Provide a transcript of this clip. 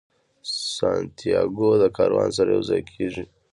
سانتیاګو د کاروان سره یو ځای کیږي.